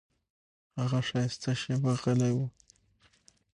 هغه ښایسته شېبه غلی و.